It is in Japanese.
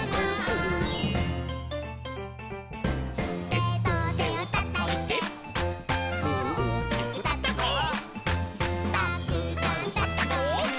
「テトテをたたいて」「おおきくたたこう」「たくさんたたこう」